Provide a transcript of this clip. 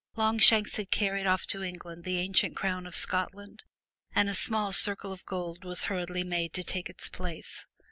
Longshanks had carried off to England the ancient crown of Scotland and a small circle of gold was hurriedly made to take its place.